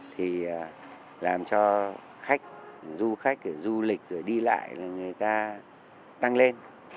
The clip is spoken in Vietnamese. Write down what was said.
thì làm cho khách du khách du lịch đi lại người ta tăng lên